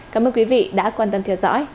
cảm ơn quý vị đã quan tâm theo dõi